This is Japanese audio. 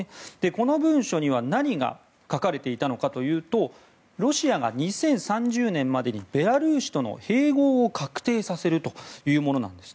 この文書には何が書かれていたのかというとロシアが２０３０年までにベラルーシとの併合を確定させるというものなんです。